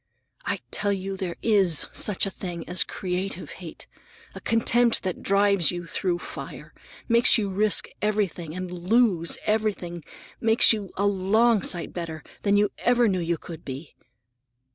I tell you, there is such a thing as creative hate! A contempt that drives you through fire, makes you risk everything and lose everything, makes you a long sight better than you ever knew you could be."